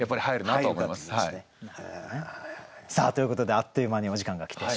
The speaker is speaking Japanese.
ということであっという間にお時間が来てしまいました。